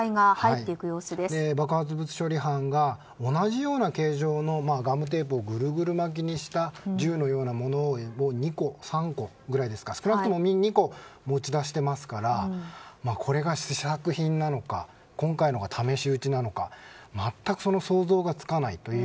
爆発物処理班が同じような形状のガムテープをぐるぐる巻きにした銃のようなものを２個、３個ぐらい少なくとも２個、持ち出していますからこれが試作品なのか今回のが試し撃ちなのか全く想像がつかない。